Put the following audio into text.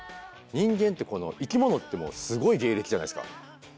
人間ってこの生き物ってもうすごい芸歴じゃないですか。